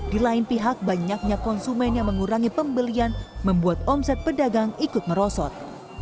di lain pihak banyaknya konsumen yang mengurangi pembelian membuat omset pedagang ikut merosot